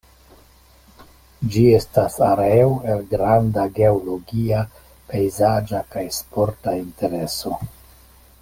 Ĝi estas areo el granda geologia, pejzaĝa kaj sporta intereso.